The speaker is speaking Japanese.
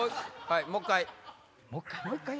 もう１回。